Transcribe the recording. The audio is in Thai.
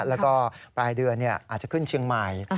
แล้วก็ปลายเดือนอาจจะขึ้นเชียงใหม่